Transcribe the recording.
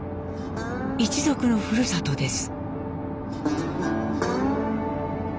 一族のふるさとです。